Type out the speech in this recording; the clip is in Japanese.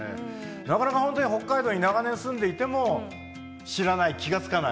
なかなか本当に北海道に長年住んでいても知らない気が付かない。